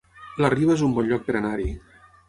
La Riba es un bon lloc per anar-hi